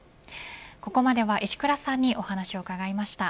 ここまでは石倉さんにお話を伺いました。